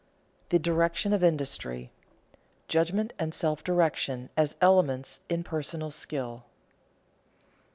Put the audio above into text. THE DIRECTION OF INDUSTRY [Sidenote: Judgment and self direction as elements in personal skill] 1.